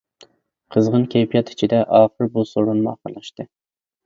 قىزغىن كەيپىيات ئىچىدە ئاخىر بۇ سورۇنمۇ ئاخىرلاشتى.